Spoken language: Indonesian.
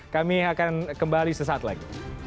kami akan kembali sesaat lagi